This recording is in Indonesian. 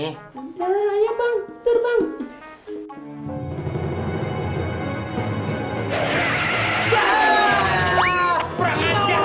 ya bang tidur bang